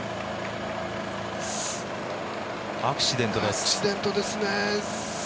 アクシデントですね。